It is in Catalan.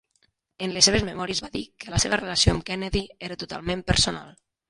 En les seves memòries, va dir que la seva relació amb Kennedy era totalment personal.